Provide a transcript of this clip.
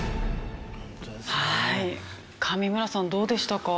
上村さんどうでしたか？